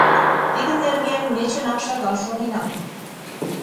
— Тидын нерген ме чынак шагал шонена.